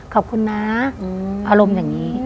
ขอบคุณนะอารมณ์อย่างนี้